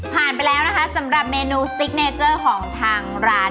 ไปแล้วนะคะสำหรับเมนูซิกเนเจอร์ของทางร้าน